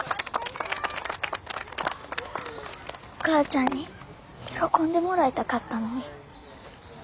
お母ちゃんに喜んでもらいたかったのに。